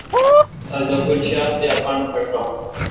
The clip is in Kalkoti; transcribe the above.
تازہ گل شاخ دی اپان پھشہ۔